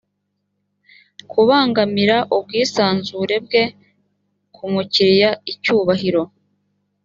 kubangamira ubwisanzure bwe ku mukiriya icyubahiro